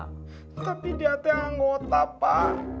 tapi dia itu anggota pak